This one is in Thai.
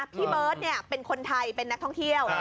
พี่เบิร์ตเป็นคนไทยเป็นนักท่องเที่ยว